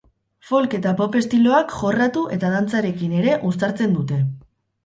Folk eta pop estiloak jorratu eta dantzarekin ere uztartzen dute.